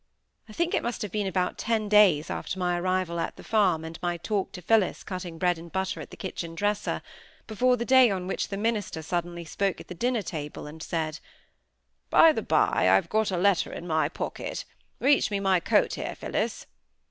I think it must have been about ten days after my arrival at the farm, and my talk to Phillis cutting bread and butter at the kitchen dresser, before the day on which the minister suddenly spoke at the dinner table, and said,— "By the by, I've got a letter in my pocket. Reach me my coat here, Phillis."